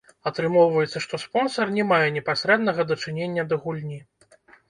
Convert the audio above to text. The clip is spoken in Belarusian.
Атрымоўваецца, што спонсар не мае непасрэднага дачынення да гульні.